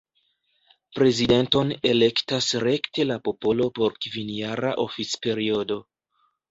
Prezidenton elektas rekte la popolo por kvinjara oficperiodo.